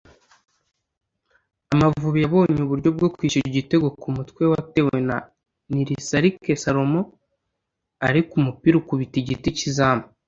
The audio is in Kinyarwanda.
Amavubi yabonye uburyo bwo kwishyura igitego ku mutwe watewe na Nirisarike Salomon ariko umupira ukubita igiti cy’izamu